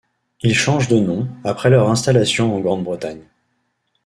Ils changent de nom après leur installation en Grande-Bretagne.